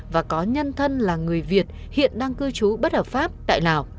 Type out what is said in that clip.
và có nhân thân là người việt hiện đang cư trú bất hợp pháp tại lào